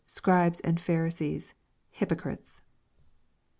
Scribes and Pharisees, hypocrites."